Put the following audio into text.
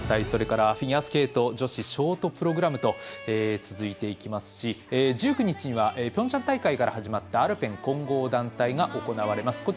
それからフィギュアスケート女子ショートプログラムと続いていきますし、１９日にはピョンチャン大会から始まったアルペン混合団体が行われます。